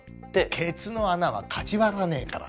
ケツの穴はかち割らねえから！